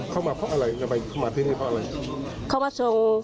เข้ามาเพราะอะไรจะไปเข้ามาที่นี่เพราะอะไร